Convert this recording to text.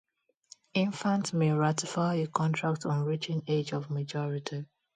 Infants may ratify a contract on reaching age of majority.